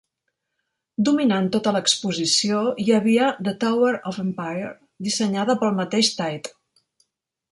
Dominant tota l'exposició hi havia "The Tower of Empire", dissenyada pel mateix Tait.